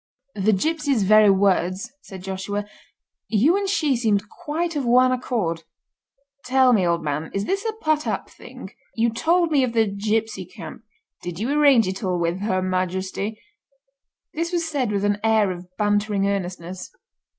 "The gipsy's very words," said Joshua. "You and she seem quite of one accord. Tell me, old man, is this a put up thing? You told me of the gipsy camp—did you arrange it all with Her Majesty?" This was said with an air of bantering earnestness.